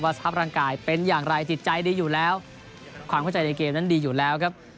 สภาพร่างกายเป็นอย่างไรจิตใจดีอยู่แล้วความเข้าใจในเกมนั้นดีอยู่แล้วครับ